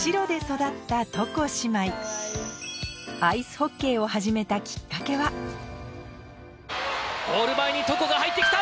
アイスホッケーを始めたゴール前に床が入って来た！